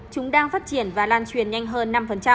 chúng đang phát triển và lan truyền nhanh hơn năm